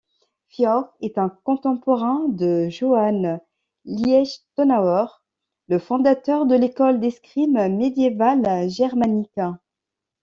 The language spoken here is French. Fiore est un contemporain de Johannes Liechtenauer, le fondateur de l’école d’escrime médiévale germanique.